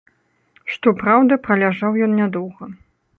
Што праўда, праляжаў ён нядоўга.